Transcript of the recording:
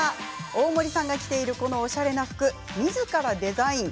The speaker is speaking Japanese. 大森さんが着ているこのおしゃれな服はなんとみずからデザイン。